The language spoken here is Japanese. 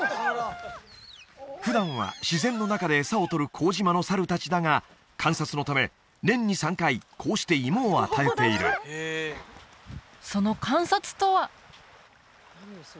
普段は自然の中で餌を取る幸島の猿達だが観察のため年に３回こうして芋を与えているその観察とは？